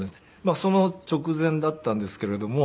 その直前だったんですけれども。